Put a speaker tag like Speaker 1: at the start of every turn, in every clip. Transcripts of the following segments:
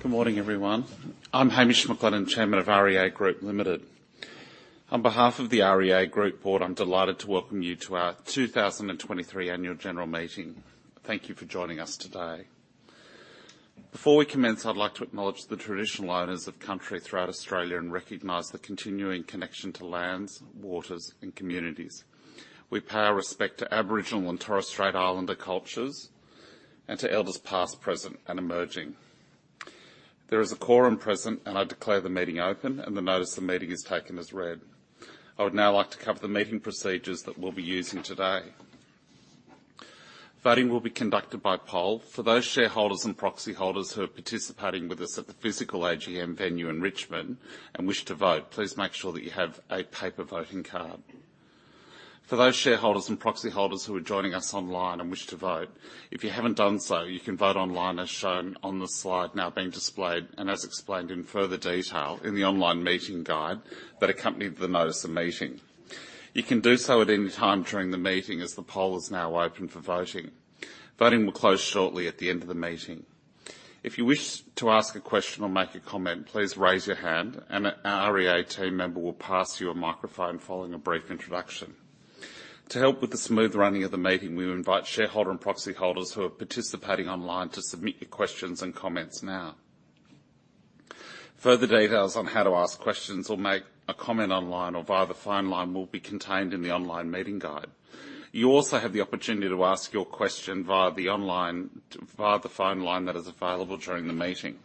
Speaker 1: Good morning, everyone. I'm Hamish McLennan, Chairman of REA Group Limited. On behalf of the REA Group Board, I'm delighted to welcome you to our 2023 Annual General Meeting. Thank you for joining us today. Before we commence, I'd like to acknowledge the traditional owners of country throughout Australia, and recognize the continuing connection to lands, waters, and communities. We pay our respect to Aboriginal and Torres Strait Islander cultures and to elders past, present, and emerging. There is a quorum present, and I declare the meeting open, and the notice of the meeting is taken as read. I would now like to cover the meeting procedures that we'll be using today. Voting will be conducted by poll. For those shareholders and proxy holders who are participating with us at the physical AGM venue in Richmond and wish to vote, please make sure that you have a paper voting card. For those shareholders and proxy holders who are joining us online and wish to vote, if you haven't done so, you can vote online, as shown on the slide now being displayed, and as explained in further detail in the online meeting guide that accompanied the notice of the meeting. You can do so at any time during the meeting, as the poll is now open for voting. Voting will close shortly at the end of the meeting. If you wish to ask a question or make a comment, please raise your hand and an REA team member will pass you a microphone following a brief introduction. To help with the smooth running of the meeting, we invite shareholder and proxy holders who are participating online to submit your questions and comments now. Further details on how to ask questions or make a comment online or via the phone line will be contained in the online meeting guide. You also have the opportunity to ask your question via the online... via the phone line that is available during the meeting.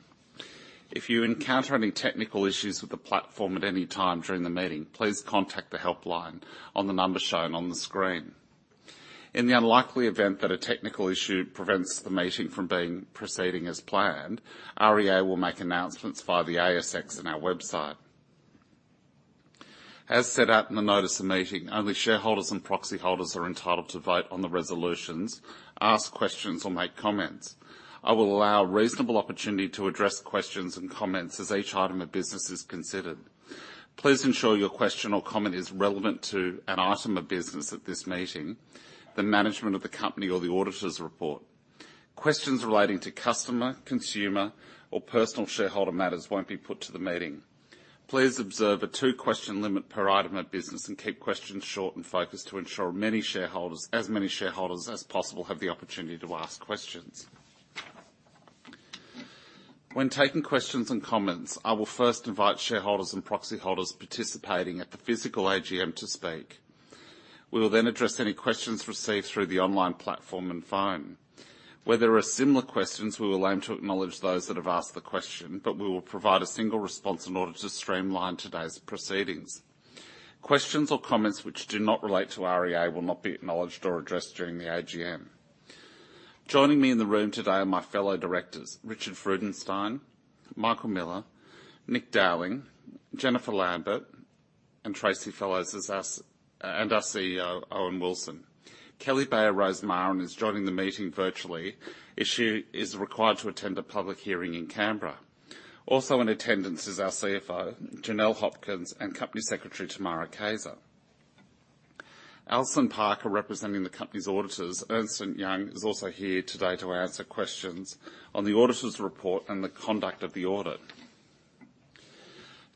Speaker 1: If you encounter any technical issues with the platform at any time during the meeting, please contact the helpline on the number shown on the screen. In the unlikely event that a technical issue prevents the meeting from being proceeding as planned, REA will make announcements via the ASX in our website. As set out in the notice of the meeting, only shareholders and proxy holders are entitled to vote on the resolutions, ask questions, or make comments. I will allow a reasonable opportunity to address questions and comments as each item of business is considered. Please ensure your question or comment is relevant to an item of business at this meeting, the management of the company or the auditor's report. Questions relating to customer, consumer, or personal shareholder matters won't be put to the meeting. Please observe a two-question limit per item of business and keep questions short and focused to ensure many shareholders, as many shareholders as possible, have the opportunity to ask questions. When taking questions and comments, I will first invite shareholders and proxy holders participating at the physical AGM to speak. We will then address any questions received through the online platform and phone. Where there are similar questions, we will aim to acknowledge those that have asked the question, but we will provide a single response in order to streamline today's proceedings. Questions or comments which do not relate to REA will not be acknowledged or addressed during the AGM. Joining me in the room today are my fellow directors, Richard Freudenstein, Michael Miller, Nick Dowling, Jennifer Lambert, and Tracy Fellows, and our CEO, Owen Wilson. Kelly Bayer Rosmarin is joining the meeting virtually, as she is required to attend a public hearing in Canberra. Also in attendance is our CFO, Janelle Hopkins, and Company Secretary, Tamara Kayser. Alison Parker, representing the company's auditors, Ernst & Young, is also here today to answer questions on the auditor's report and the conduct of the audit.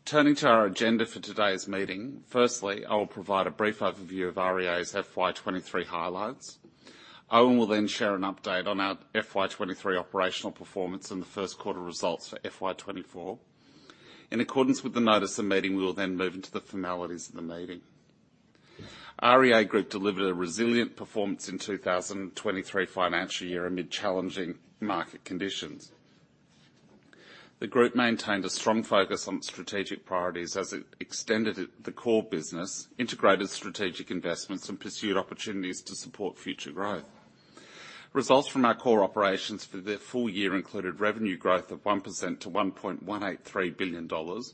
Speaker 1: Turning to our agenda for today's meeting, firstly, I will provide a brief overview of REA's FY 2023 highlights. Owen will then share an update on our FY 2023 operational performance and the first quarter results for FY 2024. In accordance with the notice of meeting, we will then move into the formalities of the meeting. REA Group delivered a resilient performance in 2023 financial year amid challenging market conditions. The group maintained a strong focus on strategic priorities as it extended it, the core business, integrated strategic investments, and pursued opportunities to support future growth. Results from our core operations for the full year included revenue growth of 1% to 1.183 billion dollars,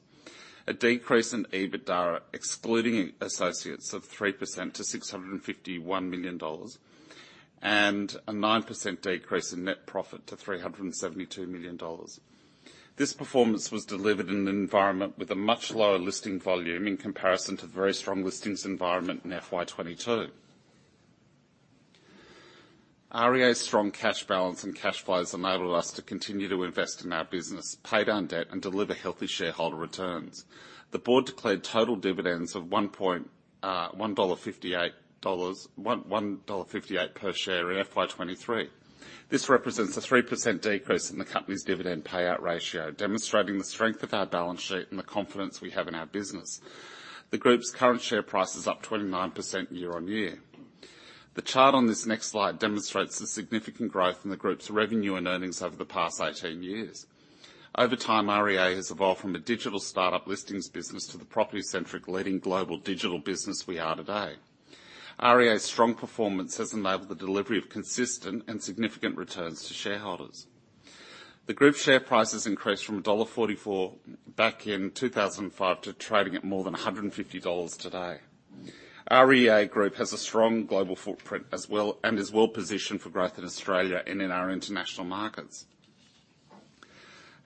Speaker 1: a decrease in EBITDA, excluding associates, of 3% to 651 million dollars, and a 9% decrease in net profit to 372 million dollars. This performance was delivered in an environment with a much lower listing volume in comparison to the very strong listings environment in FY 2022. REA's strong cash balance and cash flows enabled us to continue to invest in our business, pay down debt, and deliver healthy shareholder returns. The board declared total dividends of 1.58 dollar per share in FY 2023. This represents a 3% decrease in the company's dividend payout ratio, demonstrating the strength of our balance sheet and the confidence we have in our business. The group's current share price is up 29% year-on-year. The chart on this next slide demonstrates the significant growth in the group's revenue and earnings over the past 18 years. Over time, REA has evolved from a digital startup listings business to the property-centric leading global digital business we are today. REA's strong performance has enabled the delivery of consistent and significant returns to shareholders. The group's share price has increased from AUD 1.44 back in 2005, to trading at more than 150 dollars today. REA Group has a strong global footprint as well, and is well-positioned for growth in Australia and in our international markets....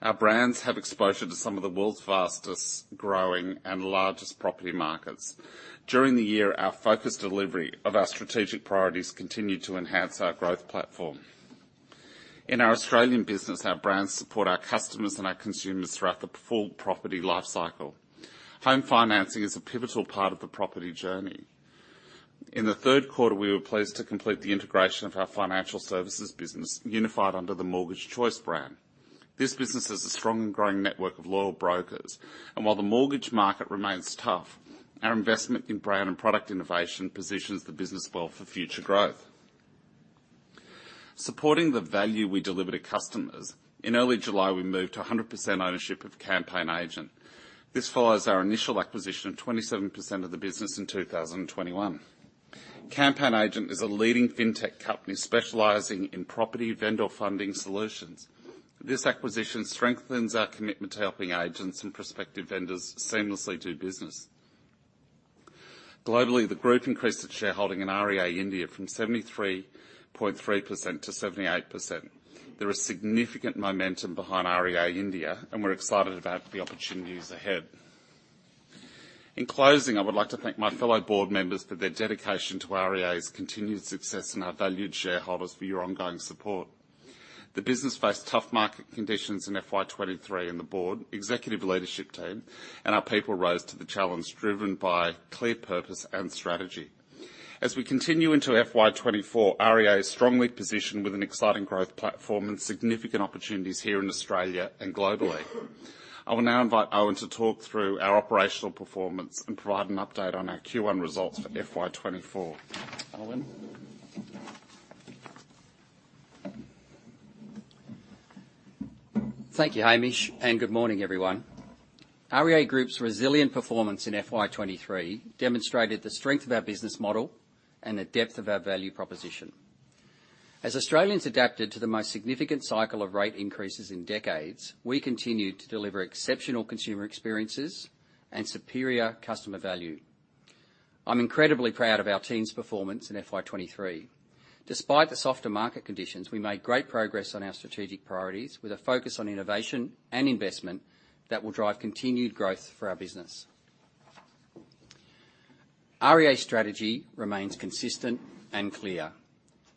Speaker 1: Our brands have exposure to some of the world's fastest-growing and largest property markets. During the year, our focused delivery of our strategic priorities continued to enhance our growth platform. In our Australian business, our brands support our customers and our consumers throughout the full property lifecycle. Home financing is a pivotal part of the property journey. In the third quarter, we were pleased to complete the integration of our financial services business, unified under the Mortgage Choice brand. This business has a strong and growing network of loyal brokers, and while the mortgage market remains tough, our investment in brand and product innovation positions the business well for future growth. Supporting the value we deliver to customers, in early July, we moved to 100% ownership of Campaign Agent. This follows our initial acquisition of 27% of the business in 2021. Campaign Agent is a leading fintech company specializing in property vendor funding solutions. This acquisition strengthens our commitment to helping agents and prospective vendors seamlessly do business. Globally, the group increased its shareholding in REA India from 73.3% to 78%. There is significant momentum behind REA India, and we're excited about the opportunities ahead. In closing, I would like to thank my fellow board members for their dedication to REA's continued success and our valued shareholders for your ongoing support. The business faced tough market conditions in FY 2023, and the board, executive leadership team, and our people rose to the challenge, driven by clear purpose and strategy. As we continue into FY 2024, REA is strongly positioned with an exciting growth platform and significant opportunities here in Australia and globally. I will now invite Owen to talk through our operational performance and provide an update on our Q1 results for FY 2024. Owen?
Speaker 2: Thank you, Hamish, and good morning, everyone. REA Group's resilient performance in FY 2023 demonstrated the strength of our business model and the depth of our value proposition. As Australians adapted to the most significant cycle of rate increases in decades, we continued to deliver exceptional consumer experiences and superior customer value. I'm incredibly proud of our team's performance in FY 2023. Despite the softer market conditions, we made great progress on our strategic priorities, with a focus on innovation and investment that will drive continued growth for our business. REA's strategy remains consistent and clear.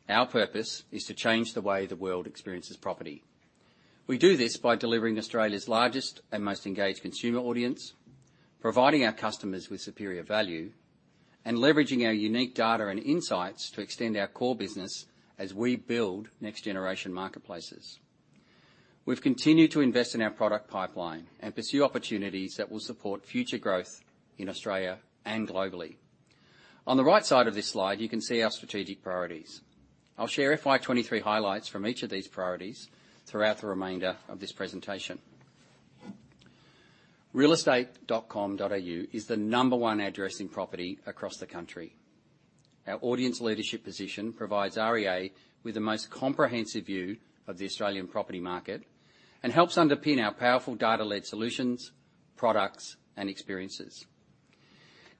Speaker 2: Our purpose is to change the way the world experiences property. We do this by delivering Australia's largest and most engaged consumer audience, providing our customers with superior value, and leveraging our unique data and insights to extend our core business as we build next-generation marketplaces. We've continued to invest in our product pipeline and pursue opportunities that will support future growth in Australia and globally. On the right side of this slide, you can see our strategic priorities. I'll share FY 2023 highlights from each of these priorities throughout the remainder of this presentation. realestate.com.au is the number one address in property across the country. Our audience leadership position provides REA with the most comprehensive view of the Australian property market and helps underpin our powerful data-led solutions, products, and experiences.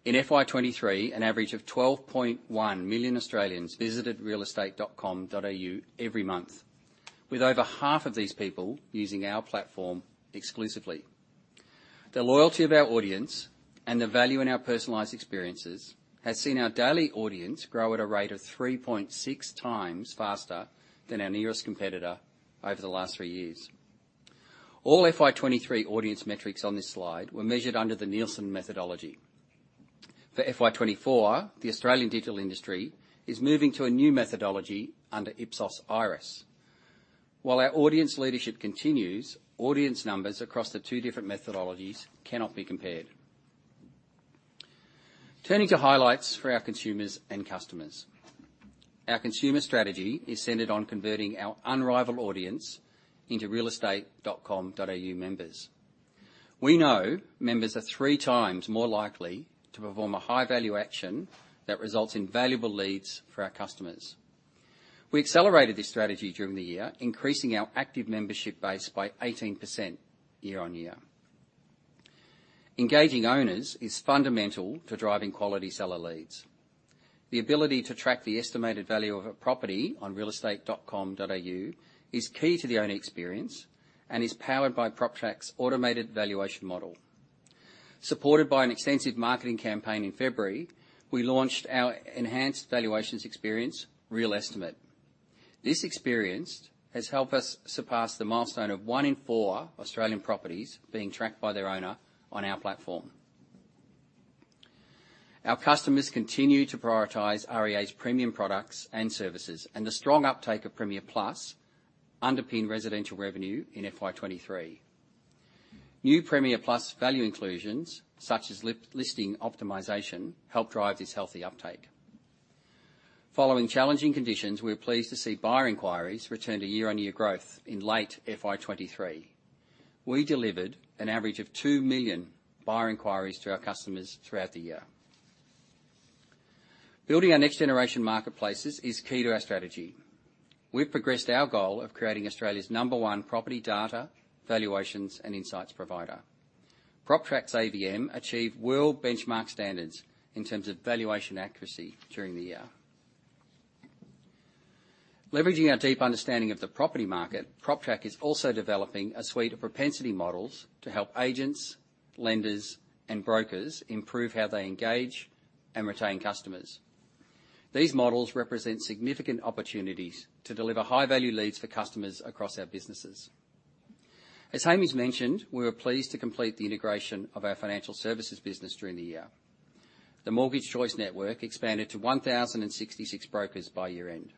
Speaker 2: In FY 2023, an average of 12.1 million Australians visited realestate.com.au every month, with over half of these people using our platform exclusively. The loyalty of our audience and the value in our personalized experiences has seen our daily audience grow at a rate of 3.6x faster than our nearest competitor over the last three years. All FY 2023 audience metrics on this slide were measured under the Nielsen methodology. For FY 2024, the Australian digital industry is moving to a new methodology under Ipsos Iris. While our audience leadership continues, audience numbers across the two different methodologies cannot be compared. Turning to highlights for our consumers and customers. Our consumer strategy is centered on converting our unrivaled audience into realestate.com.au members. We know members are 3x more likely to perform a high-value action that results in valuable leads for our customers. We accelerated this strategy during the year, increasing our active membership base by 18% year-on-year. Engaging owners is fundamental to driving quality seller leads. The ability to track the estimated value of a property on realestate.com.au is key to the owner experience and is powered by PropTrack's automated valuation model. Supported by an extensive marketing campaign in February, we launched our enhanced valuations experience, RealEstimate. This experience has helped us surpass the milestone of one in four Australian properties being tracked by their owner on our platform. Our customers continue to prioritize REA's premium products and services, and the strong uptake of Premier Plus underpinned residential revenue in FY 2023. New Premier Plus value inclusions, such as live listing optimization, helped drive this healthy uptake. Following challenging conditions, we are pleased to see buyer inquiries return to year-on-year growth in late FY 2023. We delivered an average of 2 million buyer inquiries to our customers throughout the year. Building our next-generation marketplaces is key to our strategy. We've progressed our goal of creating Australia's number one property data, valuations, and insights provider. PropTrack's AVM achieved world benchmark standards in terms of valuation accuracy during the year. Leveraging our deep understanding of the property market, PropTrack is also developing a suite of propensity models to help agents, lenders, and brokers improve how they engage and retain customers. These models represent significant opportunities to deliver high-value leads for customers across our businesses. As Hamish mentioned, we were pleased to complete the integration of our financial services business during the year. The Mortgage Choice network expanded to 1,066 brokers by year-end.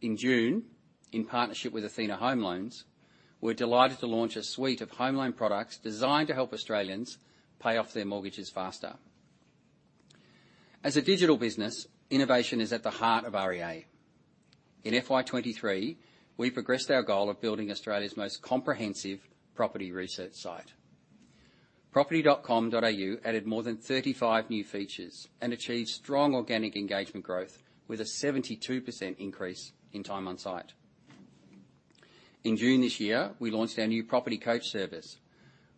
Speaker 2: In June, in partnership with Athena Home Loans, we're delighted to launch a suite of home loan products designed to help Australians pay off their mortgages faster. As a digital business, innovation is at the heart of REA. In FY 2023, we progressed our goal of building Australia's most comprehensive property research site. Property.com.au added more than 35 new features and achieved strong organic engagement growth, with a 72% increase in time on site. In June this year, we launched our new Property Coach service,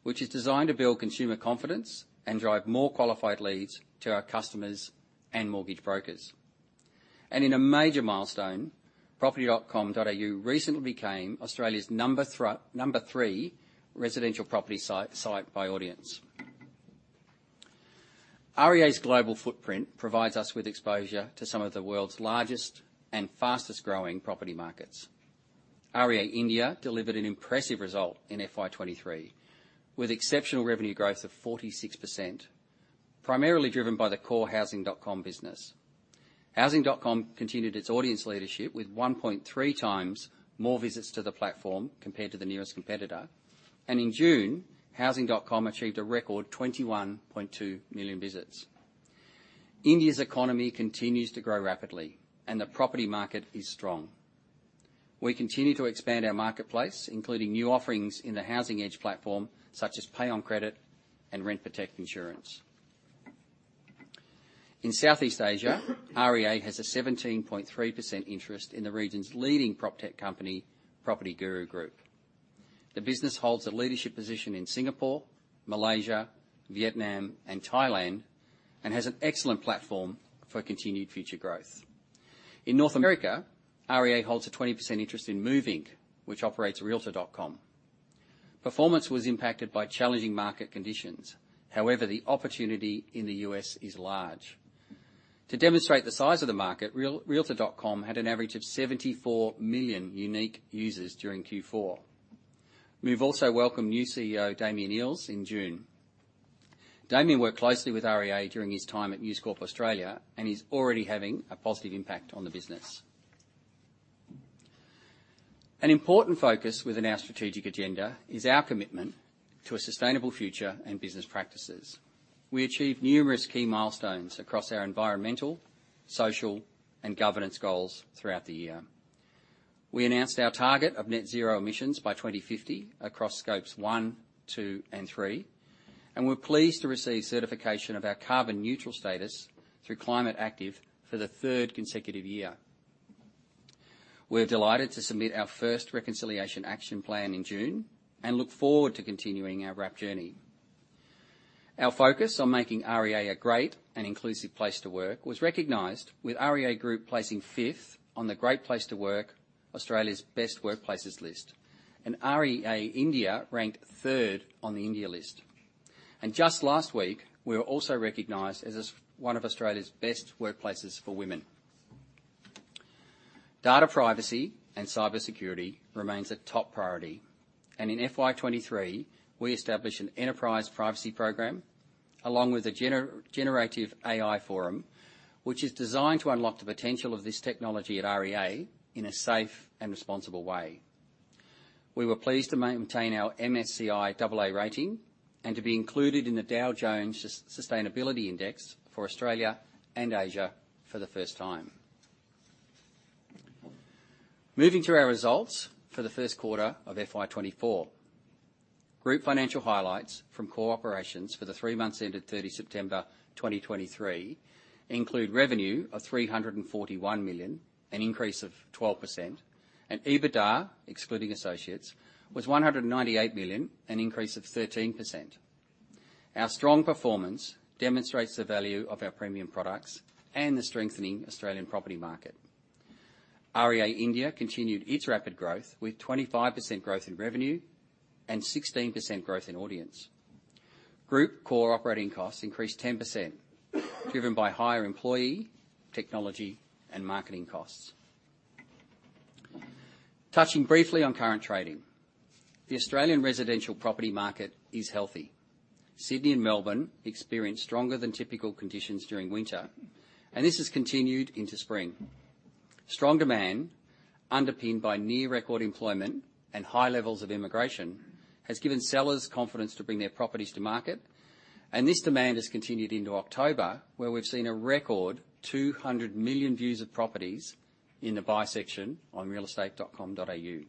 Speaker 2: which is designed to build consumer confidence and drive more qualified leads to our customers and mortgage brokers. In a major milestone, property.com.au recently became Australia's number three residential property site by audience. REA's global footprint provides us with exposure to some of the world's largest and fastest-growing property markets. REA India delivered an impressive result in FY 2023, with exceptional revenue growth of 46%, primarily driven by the core Housing.com business. Housing.com continued its audience leadership with 1.3x more visits to the platform compared to the nearest competitor, and in June, Housing.com achieved a record 21.2 million visits. India's economy continues to grow rapidly, and the property market is strong. We continue to expand our marketplace, including new offerings in the Housing Edge platform, such as Pay on Credit and Rent Protect Insurance. In Southeast Asia, REA has a 17.3% interest in the region's leading PropTech company, PropertyGuru Group. The business holds a leadership position in Singapore, Malaysia, Vietnam, and Thailand, and has an excellent platform for continued future growth. In North America, REA holds a 20% interest in Move, Inc., which operates realtor.com. Performance was impacted by challenging market conditions. However, the opportunity in the U.S. is large. To demonstrate the size of the market, realtor.com had an average of 74 million unique users during Q4. We've also welcomed new CEO Damian Eales in June. Damian worked closely with REA during his time at News Corp Australia, and he's already having a positive impact on the business. An important focus within our strategic agenda is our commitment to a sustainable future and business practices. We achieved numerous key milestones across our environmental, social, and governance goals throughout the year. We announced our target of net zero emissions by 2050 across scopes one, two, and three, and we're pleased to receive certification of our carbon neutral status through Climate Active for the third consecutive year. We're delighted to submit our first Reconciliation Action Plan in June and look forward to continuing our RAP journey. Our focus on making REA a great and inclusive place to work was recognized with REA Group placing fifth on the Great Place to Work, Australia's best workplaces list, and REA India ranked third on the India list. Just last week, we were also recognized as one of Australia's best workplaces for women. Data privacy and cybersecurity remains a top priority, and in FY 2023, we established an enterprise privacy program, along with a generative AI forum, which is designed to unlock the potential of this technology at REA in a safe and responsible way. We were pleased to maintain our MSCI double A rating and to be included in the Dow Jones Sustainability Index for Australia and Asia for the first time. Moving to our results for the first quarter of FY 2024. Group financial highlights from core operations for the three months ended 30 September 2023 include revenue of 341 million, an increase of 12%, and EBITDA, excluding associates, was 198 million, an increase of 13%. Our strong performance demonstrates the value of our premium products and the strengthening Australian property market. REA India continued its rapid growth with 25% growth in revenue and 16% growth in audience. Group core operating costs increased 10%, driven by higher employee, technology, and marketing costs. Touching briefly on current trading. The Australian residential property market is healthy. Sydney and Melbourne experienced stronger than typical conditions during winter, and this has continued into spring. Strong demand, underpinned by near record employment and high levels of immigration, has given sellers confidence to bring their properties to market, and this demand has continued into October, where we've seen a record 200 million views of properties in the buy section on realestate.com.au.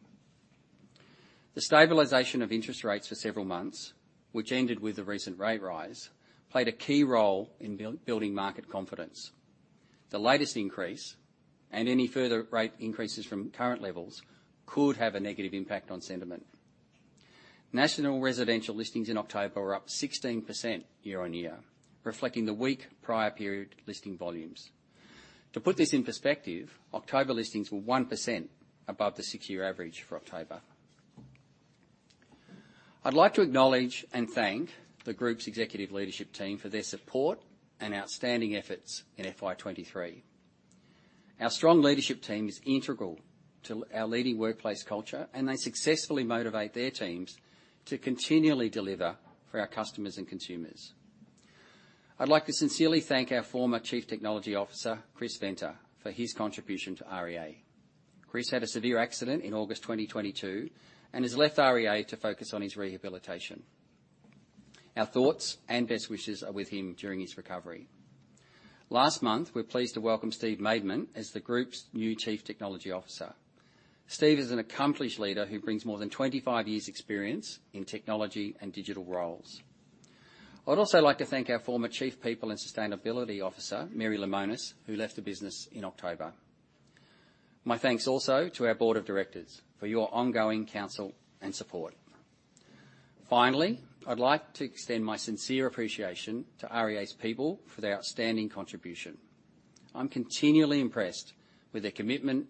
Speaker 2: The stabilization of interest rates for several months, which ended with the recent rate rise, played a key role in building market confidence. The latest increase, and any further rate increases from current levels, could have a negative impact on sentiment.... National residential listings in October were up 16% year-on-year, reflecting the weak prior period listing volumes. To put this in perspective, October listings were 1% above the six-year average for October. I'd like to acknowledge and thank the group's executive leadership team for their support and outstanding efforts in FY 2023. Our strong leadership team is integral to our leading workplace culture, and they successfully motivate their teams to continually deliver for our customers and consumers. I'd like to sincerely thank our former Chief Technology Officer, Chris Venter, for his contribution to REA. Chris had a severe accident in August 2022 and has left REA to focus on his rehabilitation. Our thoughts and best wishes are with him during his recovery. Last month, we were pleased to welcome Steve Maidment as the group's new Chief Technology Officer. Steve is an accomplished leader who brings more than 25 years' experience in technology and digital roles. I'd also like to thank our former Chief People and Sustainability Officer, Mary Lemonis, who left the business in October. My thanks also to our board of directors for your ongoing counsel and support. Finally, I'd like to extend my sincere appreciation to REA's people for their outstanding contribution. I'm continually impressed with their commitment,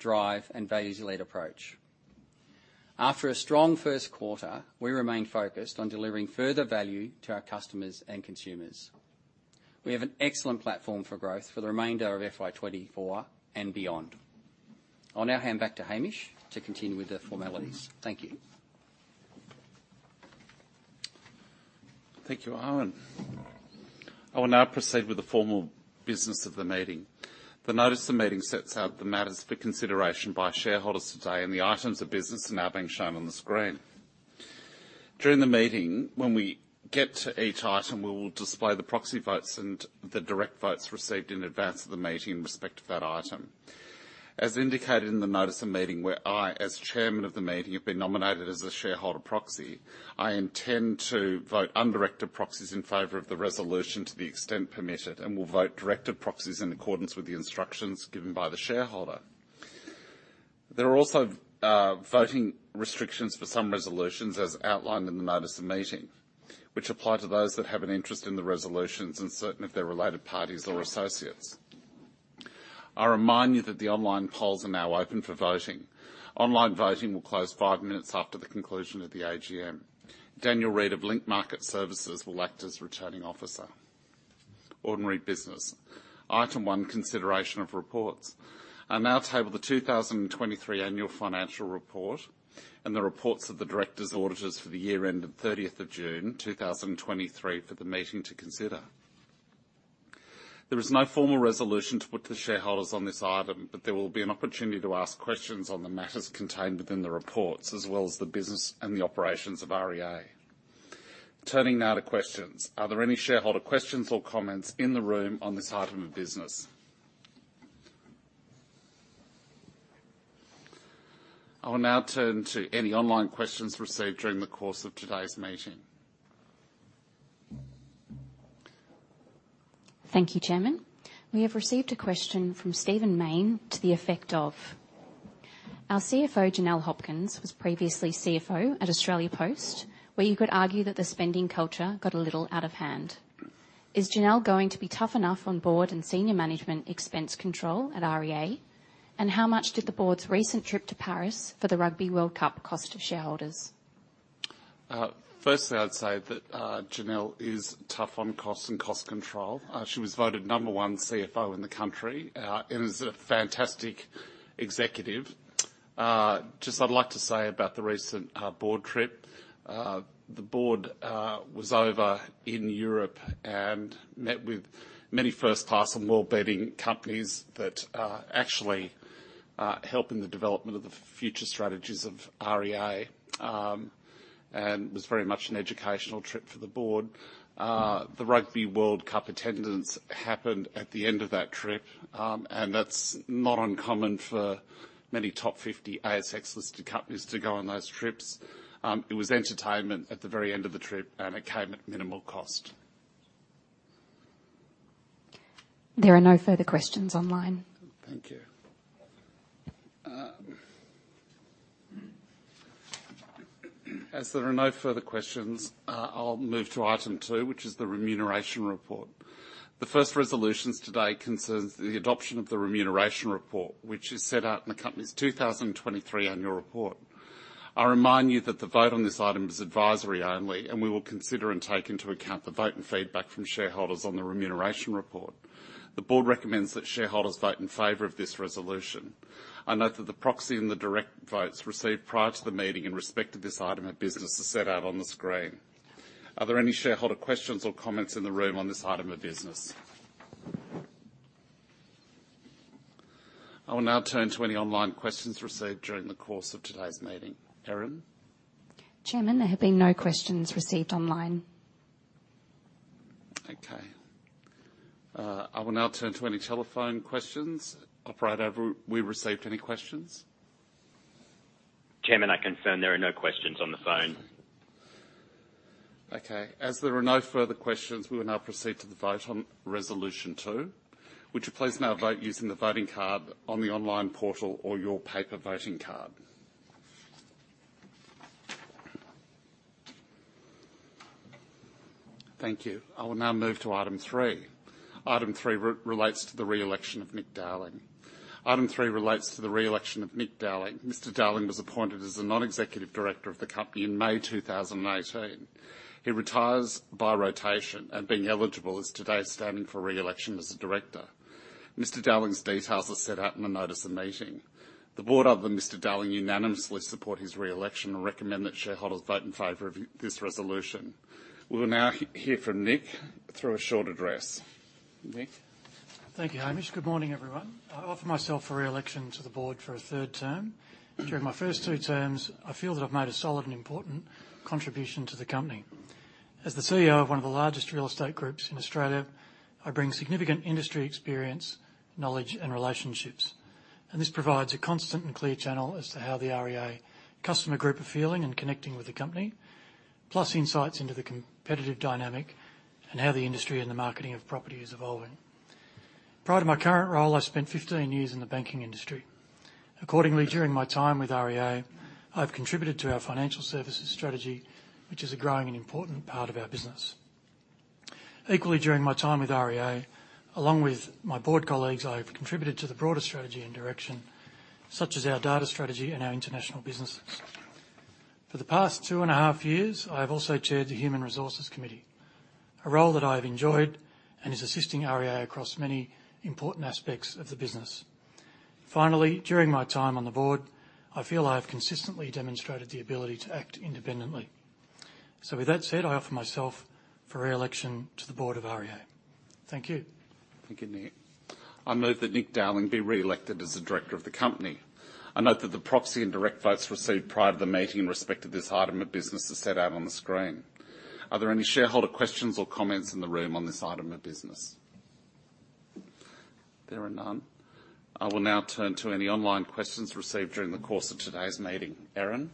Speaker 2: drive, and values-led approach. After a strong first quarter, we remain focused on delivering further value to our customers and consumers. We have an excellent platform for growth for the remainder of FY 2024 and beyond. I'll now hand back to Hamish to continue with the formalities. Thank you.
Speaker 1: Thank you, Owen. I will now proceed with the formal business of the meeting. The notice of the meeting sets out the matters for consideration by shareholders today, and the items of business are now being shown on the screen. During the meeting, when we get to each item, we will display the proxy votes and the direct votes received in advance of the meeting in respect of that item. As indicated in the notice of the meeting, where I, as Chairman of the meeting, have been nominated as the shareholder proxy, I intend to vote undirected proxies in favor of the resolution to the extent permitted and will vote directed proxies in accordance with the instructions given by the shareholder. There are also voting restrictions for some resolutions, as outlined in the notice of the meeting, which apply to those that have an interest in the resolutions and certain if they're related parties or associates. I remind you that the online polls are now open for voting. Online voting will close five minutes after the conclusion of the AGM. Daniel Reid of Link Market Services will act as Returning Officer. Ordinary business. Item one, consideration of reports. I now table the 2023 annual financial report and the reports of the directors and auditors for the year ended June 30th, 2023, for the meeting to consider. There is no formal resolution to put the shareholders on this item, but there will be an opportunity to ask questions on the matters contained within the reports, as well as the business and the operations of REA. Turning now to questions. Are there any shareholder questions or comments in the room on this item of business? I will now turn to any online questions received during the course of today's meeting.
Speaker 3: Thank you, Chairman. We have received a question from Stephen Mayne to the effect of: Our CFO, Janelle Hopkins, was previously CFO at Australia Post, where you could argue that the spending culture got a little out of hand. Is Janelle going to be tough enough on board and senior management expense control at REA? And how much did the board's recent trip to Paris for the Rugby World Cup cost of shareholders?
Speaker 1: Firstly, I'd say that Janelle is tough on costs and cost control. She was voted number one CFO in the country, and is a fantastic executive. Just I'd like to say about the recent board trip. The board was over in Europe and met with many first-class and world-leading companies that actually are helping the development of the future strategies of REA, and was very much an educational trip for the board. The Rugby World Cup attendance happened at the end of that trip, and that's not uncommon for many top 50 ASX-listed companies to go on those trips. It was entertainment at the very end of the trip, and it came at minimal cost.
Speaker 3: There are no further questions online.
Speaker 1: Thank you. As there are no further questions, I'll move to item two, which is the remuneration report. The first resolution today concerns the adoption of the remuneration report, which is set out in the company's 2023 annual report. I remind you that the vote on this item is advisory only, and we will consider and take into account the vote and feedback from shareholders on the remuneration report. The board recommends that shareholders vote in favor of this resolution. I note that the proxy and the direct votes received prior to the meeting in respect to this item of business are set out on the screen. Are there any shareholder questions or comments in the room on this item of business? I will now turn to any online questions received during the course of today's meeting. Erin?
Speaker 3: Chairman, there have been no questions received online.
Speaker 1: Okay. I will now turn to any telephone questions. Operator, have we received any questions?
Speaker 4: Chairman, I confirm there are no questions on the phone....
Speaker 1: Okay, as there are no further questions, we will now proceed to the vote on Resolution two. Would you please now vote using the voting card on the online portal or your paper voting card? Thank you. I will now move to Item three. Item three relates to the re-election of Nick Dowling. Mr. Dowling was appointed as a non-executive director of the company in May 2018. He retires by rotation, and being eligible, is today standing for re-election as a director. Mr. Dowling's details are set out in the notice of the meeting. The board, other than Mr. Dowling, unanimously support his re-election and recommend that shareholders vote in favor of this resolution. We will now hear from Nick through a short address. Nick?
Speaker 5: Thank you, Hamish. Good morning, everyone. I offer myself for re-election to the board for a third term. During my first two terms, I feel that I've made a solid and important contribution to the company. As the CEO of one of the largest real estate groups in Australia, I bring significant industry experience, knowledge, and relationships, and this provides a constant and clear channel as to how the REA customer group are feeling and connecting with the company, plus insights into the competitive dynamic and how the industry and the marketing of property is evolving. Prior to my current role, I spent 15 years in the banking industry. Accordingly, during my time with REA, I've contributed to our financial services strategy, which is a growing and important part of our business. Equally, during my time with REA, along with my board colleagues, I have contributed to the broader strategy and direction, such as our data strategy and our international businesses. For the past 2.5 years, I have also chaired the Human Resources Committee, a role that I have enjoyed and is assisting REA across many important aspects of the business. Finally, during my time on the board, I feel I have consistently demonstrated the ability to act independently. So with that said, I offer myself for re-election to the board of REA. Thank you.
Speaker 1: Thank you, Nick. I move that Nick Dowling be re-elected as the director of the company. I note that the proxy and direct votes received prior to the meeting in respect to this item of business is set out on the screen. Are there any shareholder questions or comments in the room on this item of business? There are none. I will now turn to any online questions received during the course of today's meeting. Erin?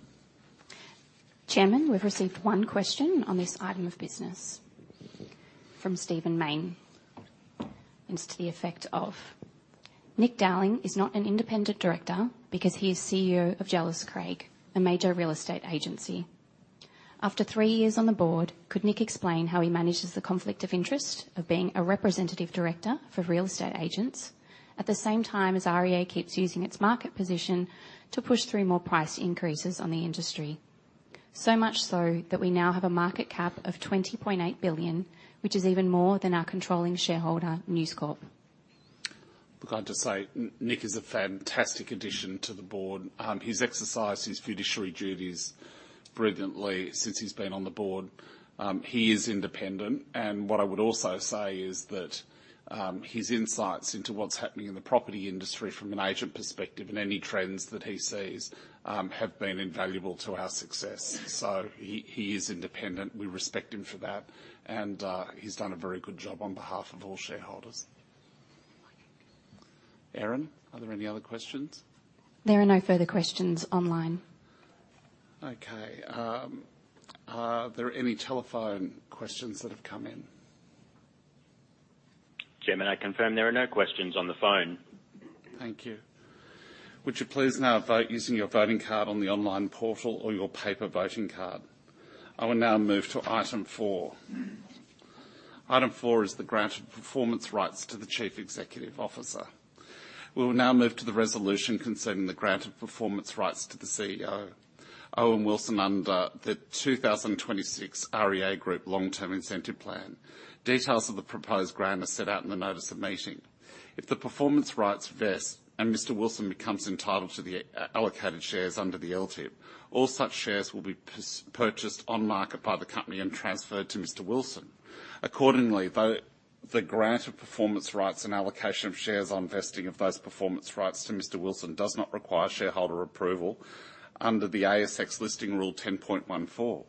Speaker 3: Chairman, we've received one question on this item of business from Stephen Mayne, and it's to the effect of: Nick Dowling is not an independent director because he is CEO of Jellis Craig, a major real estate agency. After three years on the board, could Nick explain how he manages the conflict of interest of being a representative director for real estate agents at the same time as REA keeps using its market position to push through more price increases on the industry? So much so, that we now have a market cap of 20.8 billion, which is even more than our controlling shareholder, News Corp.
Speaker 1: Look, I'd just say, Nick is a fantastic addition to the board. He's exercised his fiduciary duties brilliantly since he's been on the board. He is independent, and what I would also say is that, his insights into what's happening in the property industry from an agent perspective and any trends that he sees, have been invaluable to our success. So he, he is independent. We respect him for that, and, he's done a very good job on behalf of all shareholders. Erin, are there any other questions?
Speaker 3: There are no further questions online.
Speaker 1: Okay, are there any telephone questions that have come in?
Speaker 4: Chairman, I confirm there are no questions on the phone.
Speaker 1: Thank you. Would you please now vote using your voting card on the online portal or your paper voting card? I will now move to Item four. Item four is the grant of performance rights to the Chief Executive Officer. We will now move to the resolution concerning the grant of performance rights to the CEO, Owen Wilson, under the 2026 REA Group long-term incentive plan. Details of the proposed grant are set out in the notice of meeting. If the performance rights vest and Mr. Wilson becomes entitled to the allocated shares under the LTIP, all such shares will be purchased on market by the company and transferred to Mr. Wilson does not require shareholder approval under the ASX Listing Rule 10.14.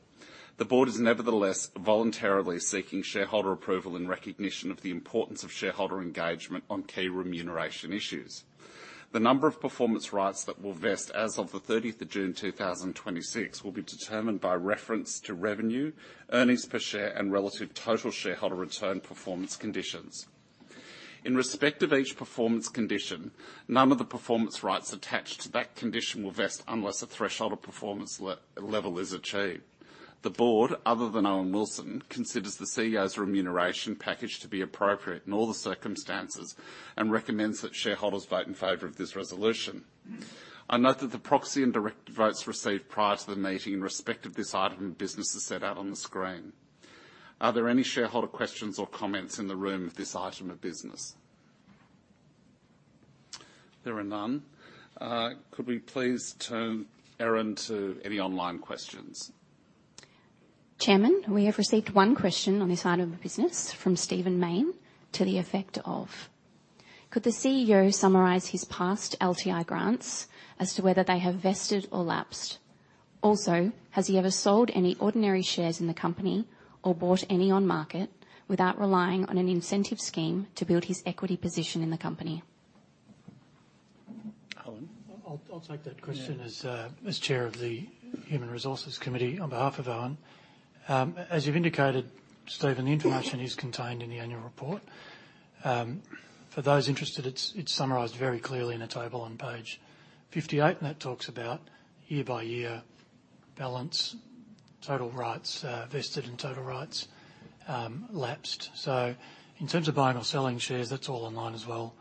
Speaker 1: The board is nevertheless voluntarily seeking shareholder approval in recognition of the importance of shareholder engagement on key remuneration issues. The number of performance rights that will vest as of the June 30th, 2026 will be determined by reference to revenue, earnings per share, and relative total shareholder return performance conditions. In respect of each performance condition, none of the performance rights attached to that condition will vest unless a threshold of performance level is achieved. The board, other than Owen Wilson, considers the CEO's remuneration package to be appropriate in all the circumstances and recommends that shareholders vote in favor of this resolution. I note that the proxy and direct votes received prior to the meeting in respect of this item of business is set out on the screen. Are there any shareholder questions or comments in the room of this item of business? There are none. Could we please turn, Erin, to any online questions?
Speaker 3: Chairman, we have received one question on this item of business from Stephen Mayne, to the effect of: Could the CEO summarize his past LTI grants as to whether they have vested or lapsed? Also, has he ever sold any ordinary shares in the company or bought any on market without relying on an incentive scheme to build his equity position in the company?...
Speaker 5: I'll take that question as Chair of the Human Resources Committee on behalf of Owen. As you've indicated, Steven, the information is contained in the annual report. For those interested, it's summarized very clearly in a table on page 58, and that talks about year-by-year balance, total rights vested, and total rights lapsed. So in terms of buying or selling shares, that's all online as well.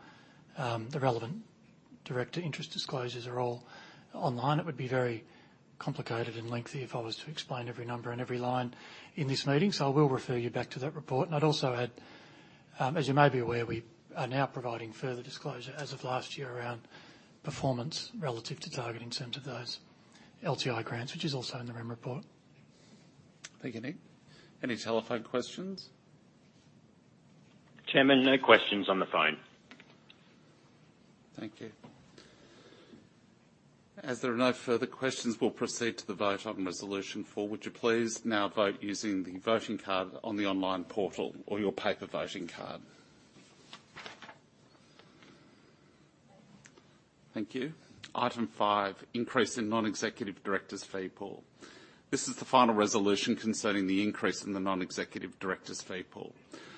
Speaker 5: The relevant director interest disclosures are all online. It would be very complicated and lengthy if I was to explain every number and every line in this meeting, so I will refer you back to that report. I'd also add, as you may be aware, we are now providing further disclosure as of last year around performance relative to target in terms of those LTI grants, which is also in the REM report.
Speaker 1: Thank you, Nick. Any telephone questions?
Speaker 4: Chairman, no questions on the phone.
Speaker 1: Thank you. As there are no further questions, we'll proceed to the vote on Resolution four. Would you please now vote using the voting card on the online portal or your paper voting card? Thank you. Item five: Increase in Non-Executive Directors' Fee Pool. This is the final resolution concerning the increase in the non-executive directors' fee pool.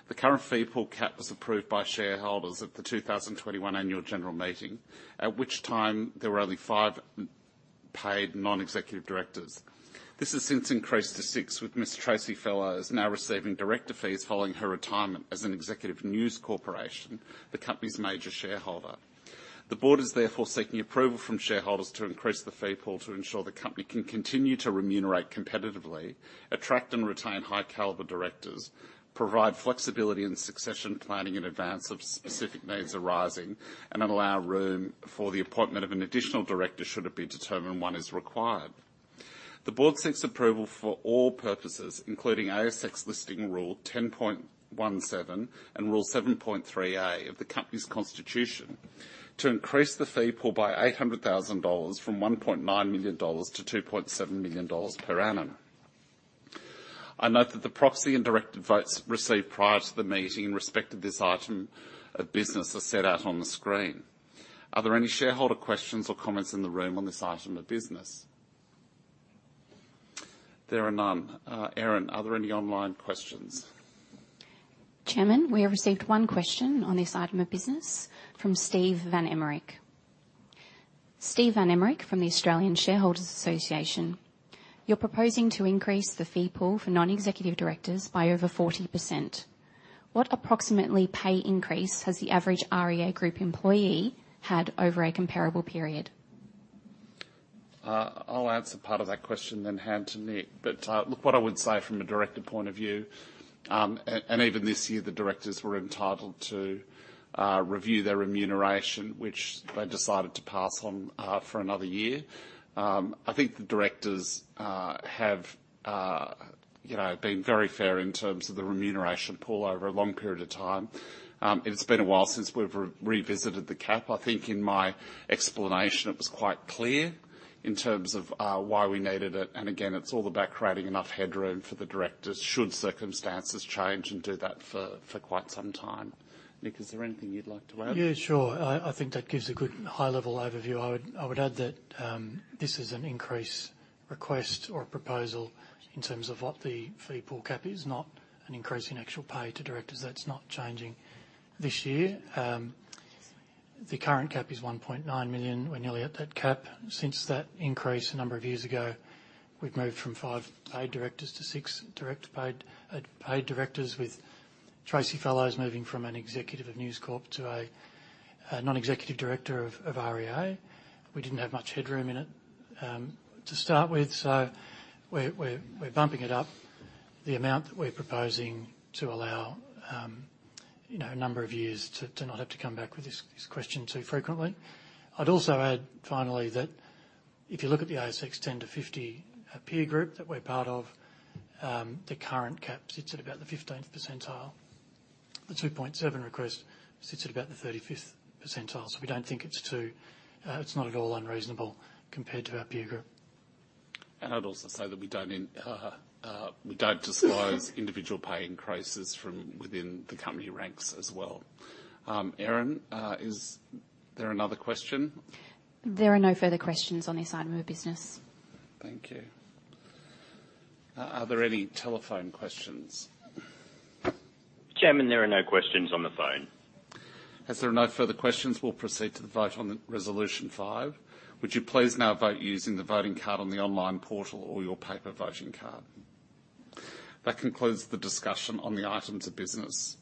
Speaker 1: The current fee pool cap was approved by shareholders at the 2021 Annual General Meeting, at which time there were only five paid non-executive directors. This has since increased to six, with Ms. Tracy Fellows now receiving director fees following her retirement as an executive of News Corporation, the company's major shareholder. The board is therefore seeking approval from shareholders to increase the fee pool to ensure the company can continue to remunerate competitively, attract and retain high-caliber directors, provide flexibility and succession planning in advance of specific needs arising, and allow room for the appointment of an additional director, should it be determined one is required. The board seeks approval for all purposes, including ASX Listing Rule 10.17 and Rule 7.3A of the company's constitution, to increase the fee pool by 800,000 dollars, from 1.9 million dollars to 2.7 million dollars per annum. I note that the proxy and directed votes received prior to the meeting in respect of this item of business are set out on the screen. Are there any shareholder questions or comments in the room on this item of business? There are none. Erin, are there any online questions?
Speaker 3: Chairman, we have received one question on this item of business from Steve Van Emmerik. Steve Van Emmerik from the Australian Shareholders Association: You're proposing to increase the fee pool for non-executive directors by over 40%. What approximately pay increase has the average REA Group employee had over a comparable period?
Speaker 1: I'll answer part of that question, then hand to Nick. But look, what I would say from a director point of view, and even this year, the directors were entitled to review their remuneration, which they decided to pass on for another year. I think the directors have, you know, been very fair in terms of the remuneration pool over a long period of time. It's been a while since we've revisited the cap. I think in my explanation, it was quite clear in terms of why we needed it. And again, it's all about creating enough headroom for the directors, should circumstances change, and do that for quite some time. Nick, is there anything you'd like to add?
Speaker 5: Yeah, sure. I, I think that gives a good high-level overview. I would, I would add that this is an increase request or a proposal in terms of what the fee pool cap is, not an increase in actual pay to directors. That's not changing this year. The current cap is 1.9 million. We're nearly at that cap. Since that increase a number of years ago, we've moved from five paid directors to six paid directors, with Tracy Fellows moving from an executive of News Corp to a non-executive director of REA. We didn't have much headroom in it to start with, so we're bumping it up, the amount that we're proposing to allow you know, a number of years to not have to come back with this question too frequently. I'd also add finally, that if you look at the ASX 10-50 peer group that we're part of, the current cap sits at about the 15th percentile. The 2.7 request sits at about the 35th percentile. So we don't think it's too... it's not at all unreasonable compared to our peer group.
Speaker 1: I'd also say that we don't disclose individual pay increases from within the company ranks as well. Erin, is there another question?
Speaker 3: There are no further questions on this item of business.
Speaker 1: Thank you. Are there any telephone questions?
Speaker 4: Chairman, there are no questions on the phone.
Speaker 1: As there are no further questions, we'll proceed to the vote on the Resolution five. Would you please now vote using the voting card on the online portal or your paper voting card? That concludes the discussion on the items of business.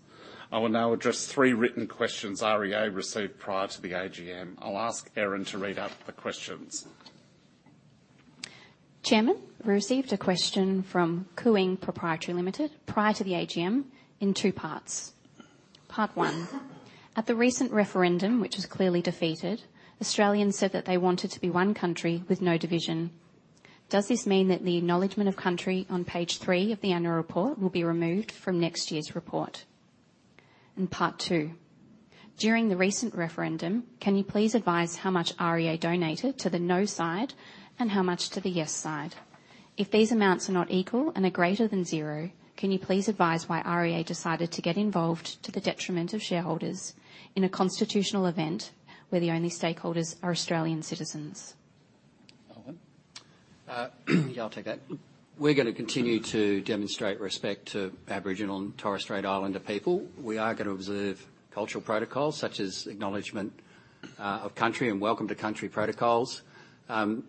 Speaker 1: I will now address three written questions REA received prior to the AGM. I'll ask Erin to read out the questions.
Speaker 3: Chairman, we received a question from Cooing Proprietary Limited prior to the AGM in two parts. Part one: At the recent referendum, which was clearly defeated, Australians said that they wanted to be one country with no division. Does this mean that the Acknowledgement of Country on page three of the annual report will be removed from next year's report? And part two: During the recent referendum, can you please advise how much REA donated to the No side and how much to the Yes side? If these amounts are not equal and are greater than zero, can you please advise why REA decided to get involved to the detriment of shareholders in a constitutional event where the only stakeholders are Australian citizens?
Speaker 1: Owen?
Speaker 2: Yeah, I'll take that. We're going to continue to demonstrate respect to Aboriginal and Torres Strait Islander people. We are going to observe cultural protocols, such as acknowledgement of country and welcome to country protocols.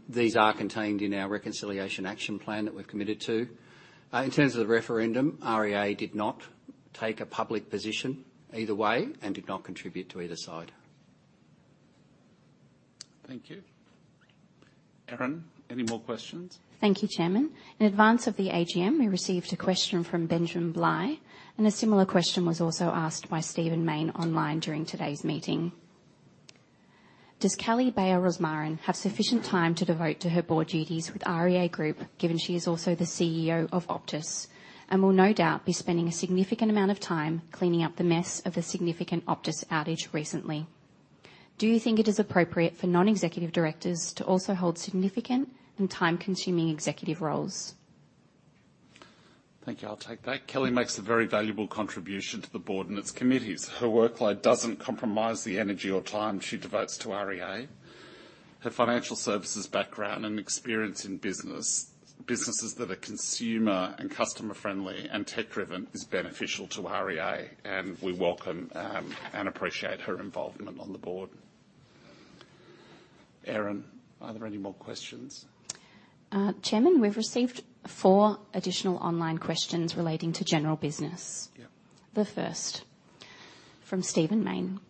Speaker 2: These are contained in our Reconciliation Action Plan that we've committed to. In terms of the referendum, REA did not take a public position either way and did not contribute to either side.
Speaker 1: Thank you. Erin, any more questions?
Speaker 3: Thank you, Chairman. In advance of the AGM, we received a question from Benjamin Bligh, and a similar question was also asked by Stephen Mayne online during today's meeting. Does Kelly Bayer Rosmarin have sufficient time to devote to her board duties with REA Group, given she is also the CEO of Optus, and will no doubt be spending a significant amount of time cleaning up the mess of the significant Optus outage recently? Do you think it is appropriate for non-executive directors to also hold significant and time-consuming executive roles?
Speaker 1: Thank you. I'll take that. Kelly makes a very valuable contribution to the board and its committees. Her workload doesn't compromise the energy or time she devotes to REA. Her financial services background and experience in business, businesses that are consumer and customer-friendly and tech-driven, is beneficial to REA, and we welcome and appreciate her involvement on the board. Erin, are there any more questions?
Speaker 3: Chairman, we've received four additional online questions relating to general business.
Speaker 1: Yep.
Speaker 3: The first, from Stephen Mayne: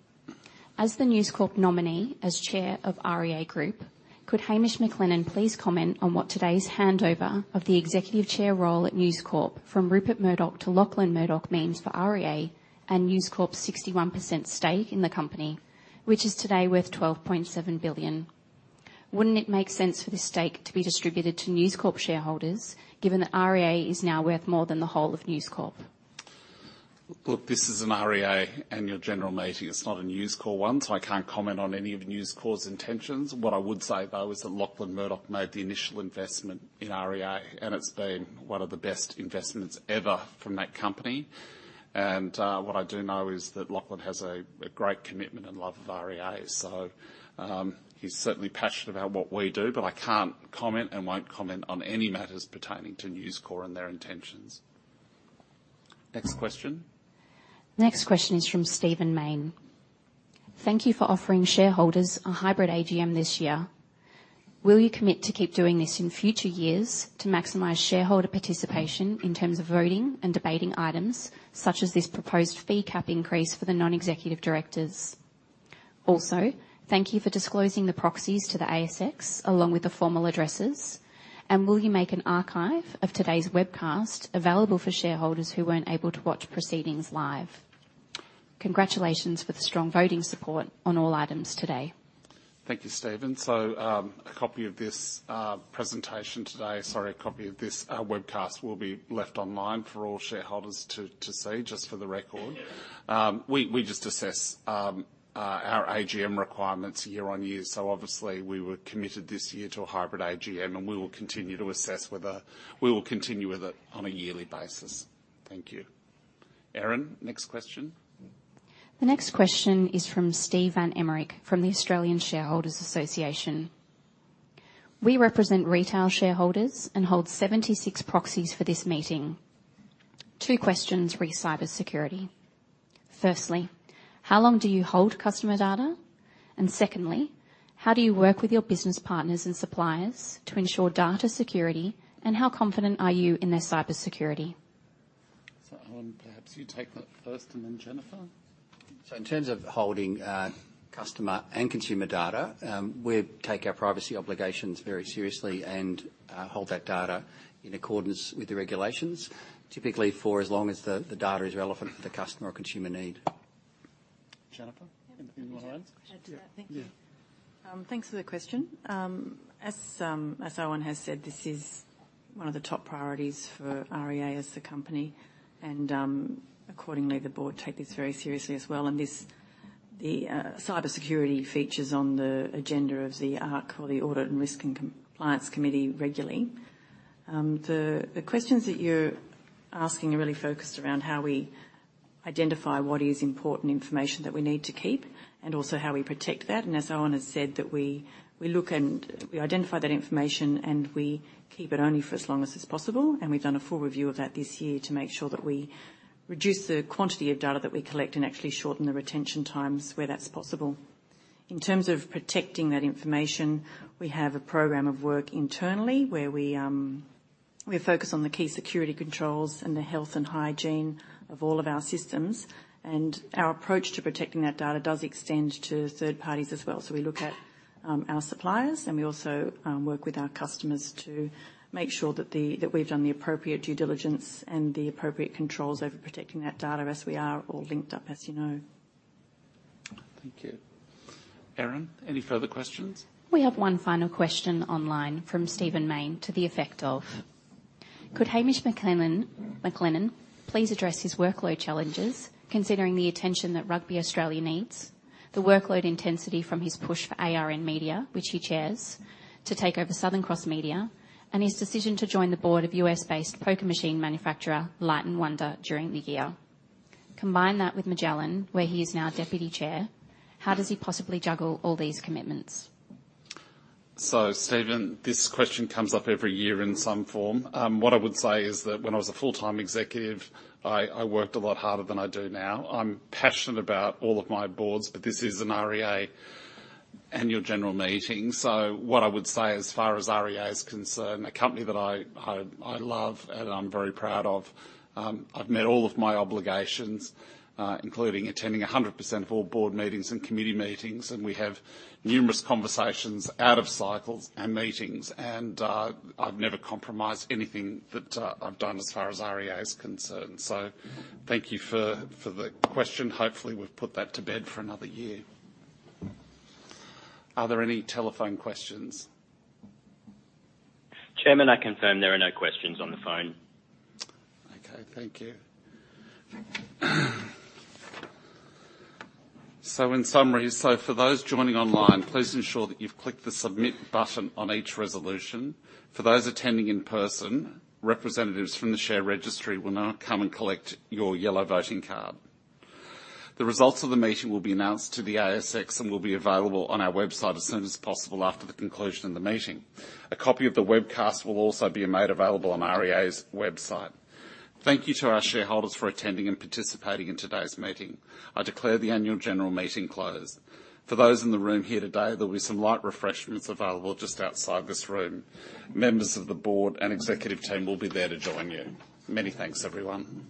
Speaker 3: As the News Corp nominee as chair of REA Group, could Hamish McLennan please comment on what today's handover of the executive chair role at News Corp from Rupert Murdoch to Lachlan Murdoch means for REA and News Corp's 61% stake in the company, which is today worth 12.7 billion? Wouldn't it make sense for the stake to be distributed to News Corp shareholders, given that REA is now worth more than the whole of News Corp?
Speaker 1: Look, this is an REA annual general meeting. It's not a News Corp one, so I can't comment on any of News Corp's intentions. What I would say, though, is that Lachlan Murdoch made the initial investment in REA, and it's been one of the best investments ever from that company. And, what I do know is that Lachlan has a great commitment and love of REA, so, he's certainly passionate about what we do, but I can't comment and won't comment on any matters pertaining to News Corp and their intentions. Next question.
Speaker 3: Next question is from Stephen Mayne: Thank you for offering shareholders a hybrid AGM this year. Will you commit to keep doing this in future years to maximize shareholder participation in terms of voting and debating items such as this proposed fee cap increase for the non-executive directors? Also, thank you for disclosing the proxies to the ASX, along with the formal addresses. Will you make an archive of today's webcast available for shareholders who weren't able to watch proceedings live? Congratulations with the strong voting support on all items today.
Speaker 1: Thank you, Stephen. So, a copy of this presentation today—sorry, a copy of this webcast will be left online for all shareholders to see, just for the record. We just assess our AGM requirements year on year, so obviously we were committed this year to a hybrid AGM, and we will continue to assess whether we will continue with it on a yearly basis. Thank you. Erin, next question.
Speaker 3: The next question is from Steve Van Emmerik, from the Australian Shareholders Association: We represent retail shareholders and hold 76 proxies for this meeting. Two questions re cybersecurity. Firstly, how long do you hold customer data? And secondly, how do you work with your business partners and suppliers to ensure data security, and how confident are you in their cybersecurity?
Speaker 1: Owen, perhaps you take that first, and then Jennifer.
Speaker 2: So in terms of holding customer and consumer data, we take our privacy obligations very seriously and hold that data in accordance with the regulations, typically for as long as the data is relevant for the customer or consumer need.
Speaker 1: Jennifer, anything you want to add?
Speaker 6: Add to that?
Speaker 1: Yeah.
Speaker 6: Thank you. Thanks for the question. As Owen has said, this is one of the top priorities for REA as the company, and accordingly, the board take this very seriously as well. And this, the cybersecurity features on the agenda of the ARC or the Audit and Risk and Compliance Committee regularly. The questions that you're asking are really focused around how we identify what is important information that we need to keep and also how we protect that. And as Owen has said, that we look and we identify that information, and we keep it only for as long as it's possible. And we've done a full review of that this year to make sure that we reduce the quantity of data that we collect and actually shorten the retention times where that's possible. In terms of protecting that information, we have a program of work internally, where we focus on the key security controls and the health and hygiene of all of our systems. Our approach to protecting that data does extend to third parties as well. We look at our suppliers, and we also work with our customers to make sure that we've done the appropriate due diligence and the appropriate controls over protecting that data, as we are all linked up, as you know.
Speaker 1: Thank you. Erin, any further questions?
Speaker 3: We have one final question online from Stephen Mayne to the effect of: Could Hamish McLennan please address his workload challenges, considering the attention that Rugby Australia needs, the workload intensity from his push for ARN Media, which he chairs, to take over Southern Cross Media, and his decision to join the board of US-based poker machine manufacturer, Light & Wonder, during the year? Combine that with Magellan, where he is now deputy chair, how does he possibly juggle all these commitments?
Speaker 1: So, Steven, this question comes up every year in some form. What I would say is that when I was a full-time executive, I worked a lot harder than I do now. I'm passionate about all of my boards, but this is an REA annual general meeting. So what I would say as far as REA is concerned, a company that I love and I'm very proud of, I've met all of my obligations, including attending 100% of all board meetings and committee meetings, and we have numerous conversations out of cycles and meetings, and, I've never compromised anything that I've done as far as REA is concerned. So thank you for the question. Hopefully, we've put that to bed for another year. Are there any telephone questions?
Speaker 4: Chairman, I confirm there are no questions on the phone.
Speaker 1: Okay. Thank you. So in summary... So for those joining online, please ensure that you've clicked the Submit button on each resolution. For those attending in person, representatives from the share registry will now come and collect your yellow voting card. The results of the meeting will be announced to the ASX and will be available on our website as soon as possible after the conclusion of the meeting. A copy of the webcast will also be made available on REA's website. Thank you to our shareholders for attending and participating in today's meeting. I declare the annual general meeting closed. For those in the room here today, there'll be some light refreshments available just outside this room. Members of the board and executive team will be there to join you. Many thanks, everyone.